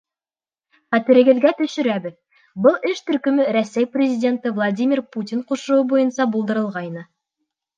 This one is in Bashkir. Хәтерегеҙгә төшөрәбеҙ: был эш төркөмө Рәсәй Президенты Владимир Путин ҡушыуы буйынса булдырылғайны.